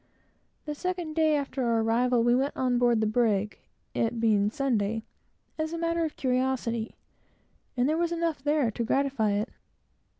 The second day after our arrival, we went on board the brig, it being Sunday, as a matter of curiosity; and there was enough there to gratify it.